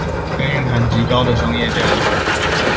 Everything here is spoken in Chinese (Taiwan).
更蘊含極高的商業價值